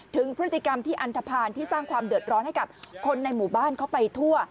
ถึงพฤติกรรมที่อันทภาณที่สร้างความเดือดร้อนให้กับคนในหมู่บ้านเข้าไปทั่ว